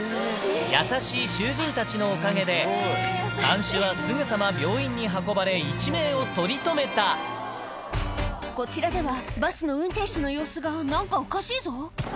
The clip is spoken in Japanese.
優しい囚人たちのおかげで、看守はすぐさま病院に運ばれ、こちらでは、バスの運転手の様子がなんかおかしいぞ？